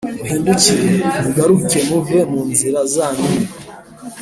muhindukire, mugaruke muve munzira zanyu mbi